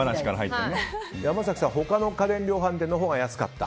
山崎さんは他の家電量販店のほうが安かった。